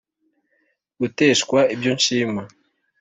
guteshwa ibyo nshima